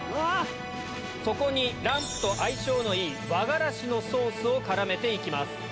そこにランプと相性のいい和がらしのソースを絡めて行きます。